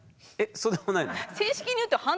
そうでもないの？